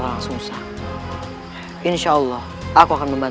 tuhan yang terbaik